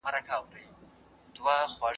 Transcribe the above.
که ته پوهېږې، نو ماته هم ووایه.